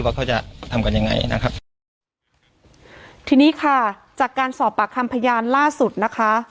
ว่าเขาจะทำกันยังไงนะครับทีนี้ค่ะจากการสอบปากคำพยานล่าสุดนะคะ